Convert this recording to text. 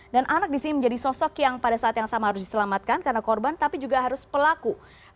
dan anak disini menjadi sosok yang pada saat yang sama harus diselamatkan karena korban tapi juga harus pelaku